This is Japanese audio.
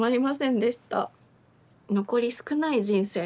残り少ない人生